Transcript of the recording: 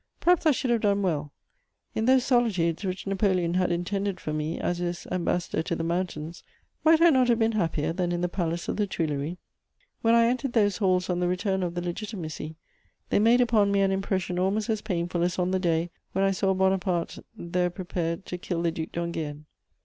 Perhaps I should have done well: in those solitudes which Napoleon had intended for me as his ambassador to the mountains, might I not have been happier than in the Palace of the Tuileries? When I entered those halls on the return of the Legitimacy, they made upon me an impression almost as painful as on the day when I saw Bonaparte there prepared to kill the Duc d'Enghien.